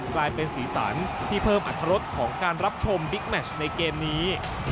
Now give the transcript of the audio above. กลายเป็นสีสันที่เพิ่มอัตรรสของการรับชมบิ๊กแมชในเกมนี้